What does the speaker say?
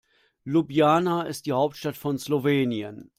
Ljubljana ist die Hauptstadt von Slowenien.